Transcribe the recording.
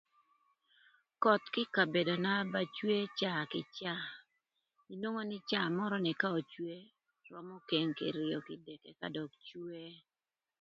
Köth kï ï kabedona ba cwe caa kï caa inwongo nï caa mörö ni ka ocwe römö keng kïrïö kidek ëka dök cwe.